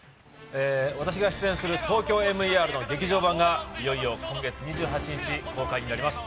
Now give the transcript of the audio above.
私が出演する「ＴＯＫＹＯＭＥＲ」の劇場版がいよいよ今月２８日に公開されます。